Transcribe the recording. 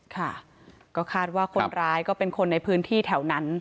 ค่ะก็คาดว่าคนร้ายก็เป็นคนในพื้นที่แถวนั้น